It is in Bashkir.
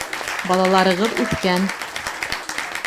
Балаларығыҙ үҫкән!